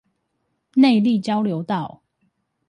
內壢交流道